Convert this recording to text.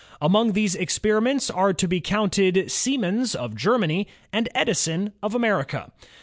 Among these experimenters are to be counted Siemens of Germany, and Edison of America.